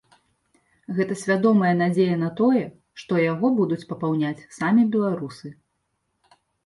Гэта свядомая надзея на тое, што яго будуць папаўняць самі беларусы.